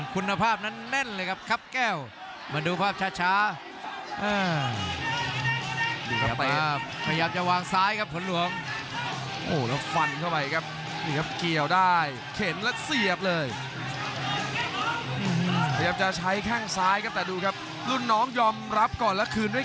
คุณภาพนั้นแน่นเลยครับครับแก้ว